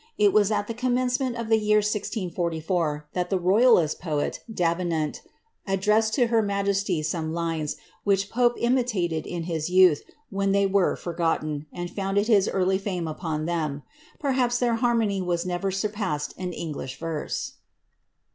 It was at the commencement of the year 1644 that the rojTidist poet, Davenant, addressed to her majesty some lines, which Pope imitated in his youth, when they were forgotten, and founded his faiiy lame upon them.' Perhaps their harmony was ne?er surpassed in English Terse.